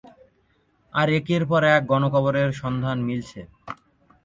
আর একের পর এক গণকবরের সন্ধান মিলছে।